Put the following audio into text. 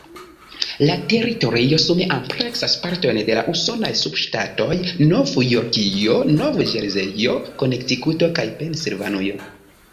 La teritorio sume ampleksas partojn de la usonaj subŝtatoj Novjorkio, Nov-Ĵerzejo, Konektikuto kaj Pensilvanio.